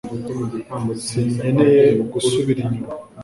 sinkeneye gusubira inyuma